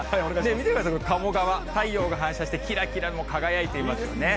見てください、鴨川、太陽が反射してきらきら輝いていますよね。